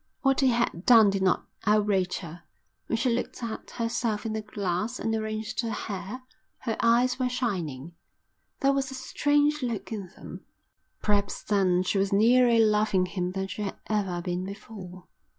What he had done did not outrage her. When she looked at herself in the glass and arranged her hair, her eyes were shining. There was a strange look in them. Perhaps then she was nearer loving him than she had ever been before.